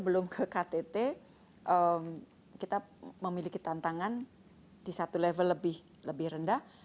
kalau kita mau ke ktt kita memiliki tantangan di satu level lebih rendah